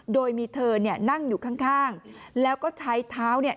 โดยมีเธอเนี่ยนั่งอยู่ข้างข้างแล้วก็ใช้เท้าเนี่ย